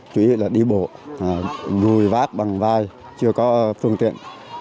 chỉ là đi bộ rùi vát bằng vai chưa có phương tiện